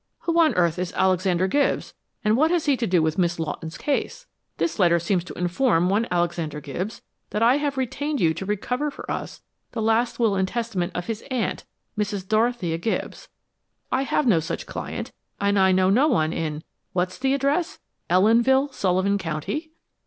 "Who on earth is Alexander Gibbs, and what has he to do with Miss Lawton's case? This letter seems to inform one Alexander Gibbs that I have retained you to recover for us the last will and testament of his aunt, Mrs. Dorothea Gibbs. I have no such client, and I know no one in what's the address? Ellenville, Sullivan County."